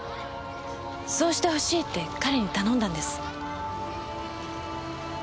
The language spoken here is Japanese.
そうしてほしいって彼に頼んだんです。